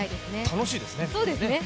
楽しいですね。